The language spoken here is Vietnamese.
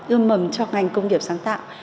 ưm mẩm cho ngành công nghiệp sáng tạo